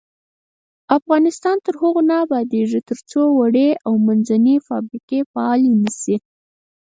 افغانستان تر هغو نه ابادیږي، ترڅو وړې او منځنۍ فابریکې فعالې نشي.